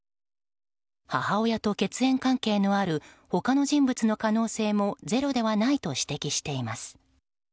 母親と血縁関係のある他の人物の可能性もゼロではないと指摘しています。